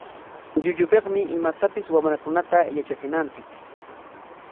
Llullupikmi imatapis wamrakunata yatrachinanchik.